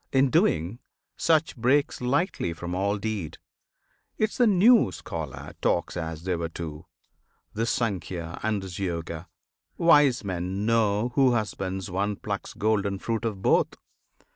In doing, such breaks lightly from all deed: 'Tis the new scholar talks as they were two, This Sankhya and this Yoga: wise men know Who husbands one plucks golden fruit of both!